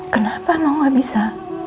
kenapa mau gak bisa